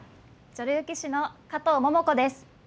女流棋士の加藤桃子です。